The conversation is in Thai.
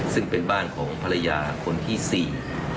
ซึ่งเป็นบ้านของภรรยาคนที่สี่